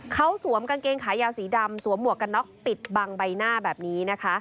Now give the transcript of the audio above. เขาสวมกางเกงขายาวสีดำสวมหมวกกันน็อกปิดบังใบหน้าแบบนี้นะคะ